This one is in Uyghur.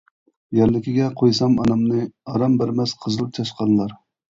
يەرلىكىگە قويسام ئانامنى، ئارام بەرمەس قىزىل چاشقانلار.